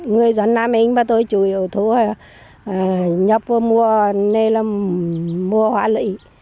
người dân nam anh và tôi chủ yếu thu nhập mua nên là mua hoa lý